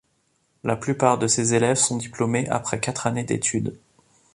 La plupart de ces élèves sont diplômés après quatre années d'études.